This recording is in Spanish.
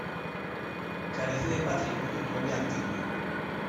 Carece de patrimonio mueble antiguo.